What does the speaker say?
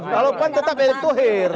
kalau pan tetap erick thohir